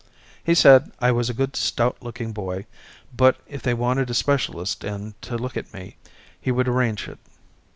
He said I was a good stout looking boy but if they wanted a specialist in to look at me he would arrange it.